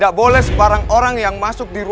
aku harus menggunakan ajem pabuk kasku